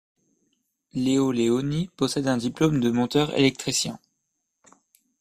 Leo Leoni possède un diplôme de monteur-électricien.